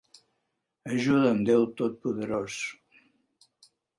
Ajuda'm Déu totpoderós.